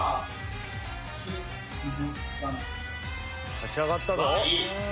立ち上がったぞ。